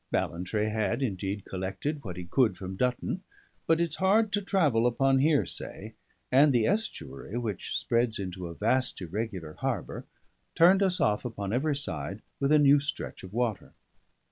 Ballantrae had indeed collected what he could from Dutton; but it's hard to travel upon hearsay; and the estuary, which spreads into a vast irregular harbour, turned us off upon every side with a new stretch of water.